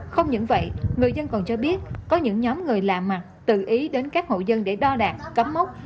không những vậy người dân còn cho biết có những nhóm người lạ mặt tự ý đến các hộ dân để đo đạt cắm mốc